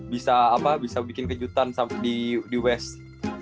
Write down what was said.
bisa apa bisa bikin kejutan sampe di west